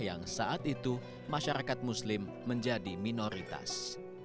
apa yang akan kita lakukan untuk membuat masyarakat muslim menjadi minoritas